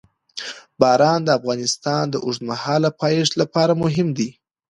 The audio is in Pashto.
باران د افغانستان د اوږدمهاله پایښت لپاره مهم دی.